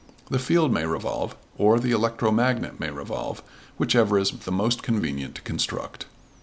The field may revolve or the electromagnet may revolve, whichever is the most convenient to construct.